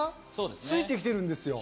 ついてきてるんです。